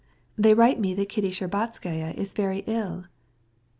They write me that Kitty Shtcherbatskaya's very ill."